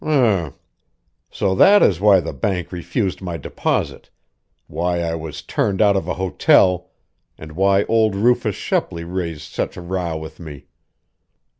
"Um! So that is why the bank refused my deposit, why I was turned out of a hotel, and why old Rufus Shepley raised such a row with me!